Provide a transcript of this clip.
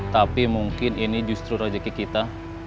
tapi mungkin ini justru rezeki kita